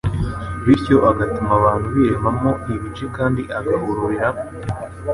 bityo agatuma abantu birema mo ibice kandi agaharurira